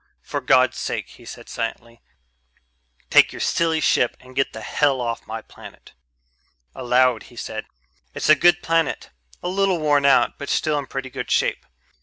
"For God's sake," he said silently, "take your silly ship and get the hell off my planet." Aloud he said, "It's a good planet, a little worn out but still in pretty good shape.